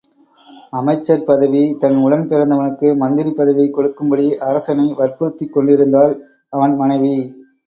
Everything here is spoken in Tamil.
அமைச்சர் பதவி தன் உடன் பிறந்தவனுக்கு மந்திரி பதவி கொடுக்கும் படி அரசனை வற்புறுத்திக் கொண்டிருந்தாள் அவன் மனைவி.